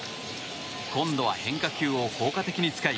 今度は変化球を効果的に使い